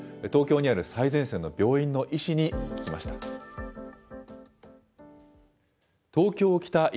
東京にある最前線の病院の医師に聞きました。